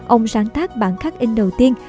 ông sáng tác bản khắc in đầu tiên